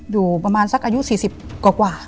อยู่ประมาณสักอายุ๔๐กว่า